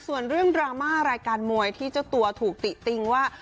ส่วนเรื่องดราม่ารายการมวยที่เจ้าตัวถูกติติงว่า